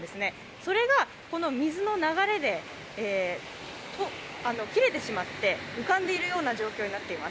それが水の流れで切れてしまって浮かんでいるような状況になっています。